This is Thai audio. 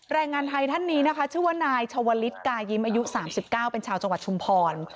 แรงงานไทยท่านนี้นะคะชื่อว่านายชาวลิศกายิ้มอายุ๓๙เป็นชาวจังหวัดชุมพร